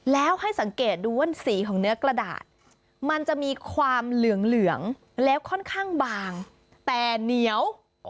แล้วให้สังเกตดูว่าสีของเนื้อกระดาษมันจะมีความเหลืองแล้วค่อนข้างบางแต่เหนียว